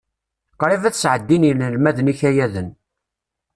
Qrib ad sɛeddin yinelmaden ikayaden.